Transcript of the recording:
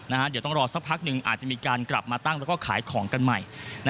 เดี๋ยวต้องรอสักพักหนึ่งอาจจะมีการกลับมาตั้งแล้วก็ขายของกันใหม่